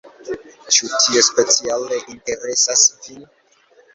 Ĉu tio speciale interesas vin?